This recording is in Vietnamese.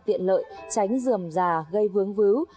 tiện lợi tránh dườm già gây vướng vứ